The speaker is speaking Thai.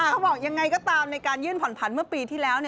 เขาบอกยังไงก็ตามในการยื่นผ่อนผันเมื่อปีที่แล้ว